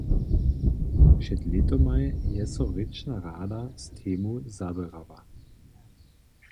Před lětomaj je so rěčna rada z temu zaběrała.